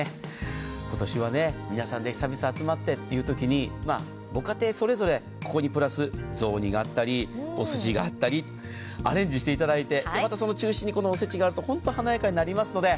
今年は皆さんで久々に集まってというときにご家庭それぞれここにプラス、雑煮があったりおすしがあったりアレンジしていただいてまたその中心におせちがあると本当に華やかになりますので。